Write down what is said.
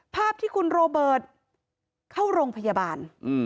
ภาพที่คุณโรเบิร์ตเข้าโรงพยาบาล